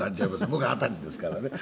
僕は二十歳ですからね。